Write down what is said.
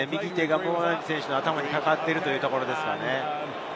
ムボナンビ選手の頭にかかっているというところですね。